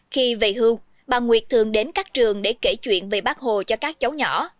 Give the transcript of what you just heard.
khi về hưu bà nguyệt thường đến các trường để kể chuyện về bác hồ cho các cháu nhỏ